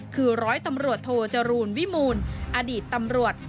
คือร้อยตำรวจโทจรูลวิมูลอดีตตำรวจ